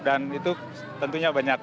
dan itu tentunya banyak